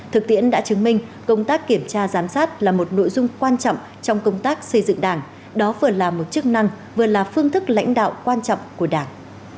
thực tiễn đã chứng minh công tác kiểm tra giám sát là một nội dung quan trọng trong công tác xây dựng đảng đó vừa là một chức năng vừa là phương thức lãnh đạo quan trọng của đảng